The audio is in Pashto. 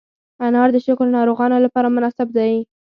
انار د شکر ناروغانو لپاره مناسب دی.